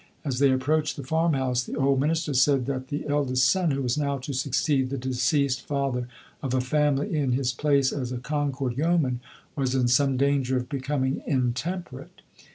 As they approached the farm house the old minister said that the eldest son, who was now to succeed the deceased father of a family in his place as a Concord yeoman, was in some danger of becoming intemperate.